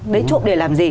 đấy trộm để làm gì